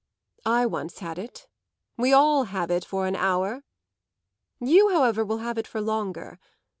I once had it we all have it for an hour. You, however, will have it for longer.